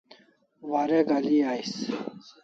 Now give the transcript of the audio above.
Warek al'i ais